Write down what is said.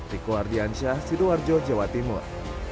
riko ardiansyah sidoarjo jawa timur